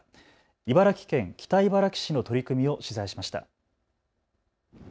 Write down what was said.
茨城県北茨城市の取り組みを取材しました。